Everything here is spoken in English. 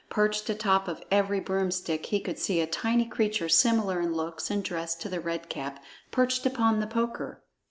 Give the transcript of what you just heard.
Perched atop of every broomstick he could see a tiny creature similar in looks and dress to the Red Cap perched upon the poker.